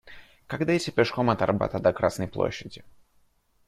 Как дойти пешком от Арбата до Красной Площади?